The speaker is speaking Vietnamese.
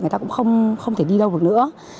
người ta cũng không thể đi đâu được nữa